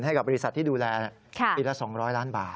ให้กับบริษัทที่ดูแลปีละ๒๐๐ล้านบาท